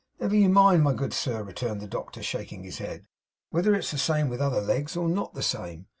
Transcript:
'Never you mind, my good sir,' returned the doctor, shaking his head, 'whether it is the same with other legs, or not the same.